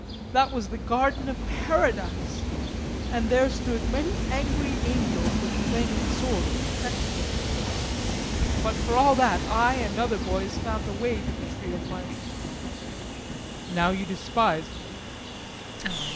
That was the garden of paradise; and there stood many angry angels with flaming swords protecting it; but for all that I and other boys found the way to the tree of life now you despise me. JULIE.